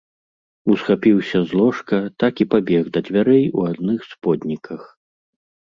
Усхапіўся з ложка, так і пабег да дзвярэй у адных сподніках.